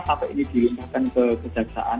saat ini dilimpahkan kekejaksaan